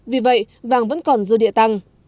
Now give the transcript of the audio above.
vì vậy vàng vẫn còn dư địa tăng